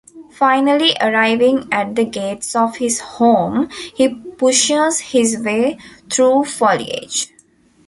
Finally arriving at the gates of his home, he pushes his way through foliage.